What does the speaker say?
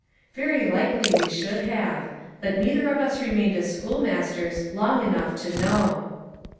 Very likely we should have. But neither of us remained as schoolmasters long enough to know.